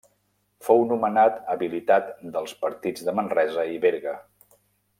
Fou nomenat Habilitat dels partits de Manresa i Berga.